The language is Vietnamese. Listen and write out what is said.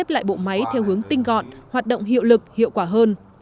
sắp xếp lại bộ máy theo hướng tinh gọn hoạt động hiệu lực hiệu quả hơn